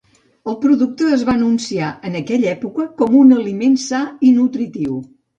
El producte es va anunciar en aquella època com un aliment sa i nutritiu.